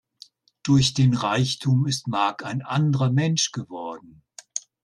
Durch den Reichtum ist Mark ein anderer Mensch geworden.